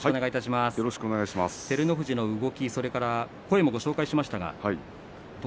照ノ富士の動き、それから声もご紹介しました。